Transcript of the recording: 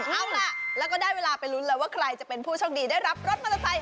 เอาล่ะแล้วก็ได้เวลาไปลุ้นแล้วว่าใครจะเป็นผู้โชคดีได้รับรถมอเตอร์ไซค